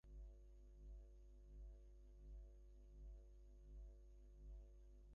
অবশ্য পুরোহিতগণ স্বভাবতই এ দাবীর বিরুদ্ধে প্রবল আপত্তি উত্থাপন করলেন।